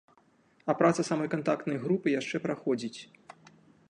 А праца самой кантактнай групы яшчэ праходзіць.